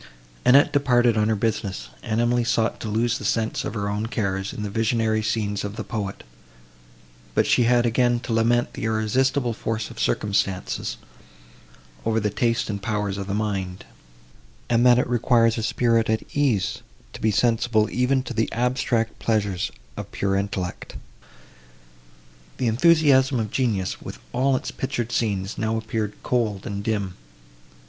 Annette departed on her business, and Emily sought to lose the sense of her own cares, in the visionary scenes of the poet; but she had again to lament the irresistible force of circumstances over the taste and powers of the mind; and that it requires a spirit at ease to be sensible even to the abstract pleasures of pure intellect. The enthusiasm of genius, with all its pictured scenes, now appeared cold, and dim.